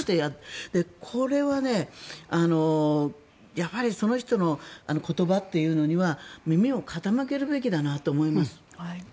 これはやはりその人の言葉というのには耳を傾けるべきだなと思います。